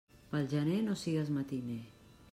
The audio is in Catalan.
Pel gener, no sigues matiner.